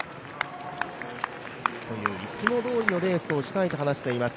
いつもどおりのレースをしたいと話しています